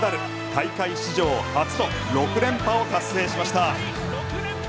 大会史上初の６連覇を達成しました。